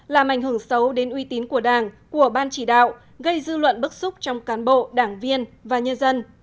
làm ảnh hưởng xấu đến uy tín của đảng của ban chỉ đạo gây dư luận bức xúc trong cán bộ đảng viên và nhân dân